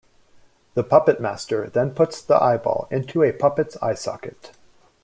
The Puppet Master then puts the eyeball into a puppet's eye socket.